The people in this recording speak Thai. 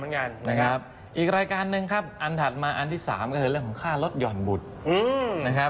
มีอีกรายการหนึ่งครับอันถัดมาอันที่๓ไเหละเรื่องของค่าลดหย่อนบุตรนะครับ